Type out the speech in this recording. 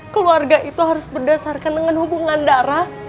keluarga itu harus berdasarkan dengan hubungan darah